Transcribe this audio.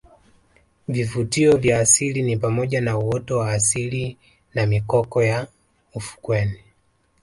Vivutio vya asili ni pamoja na uoto wa asili na mikoko ya ufukweni